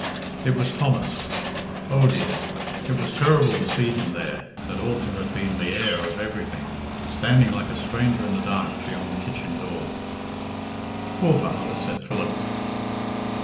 It was Thomas. Oh dear! it was terrible to see him there, that ought to have been the heir of everything, standing like a stranger in the dark beyond the kitchen door." "Poor father!" said Philip.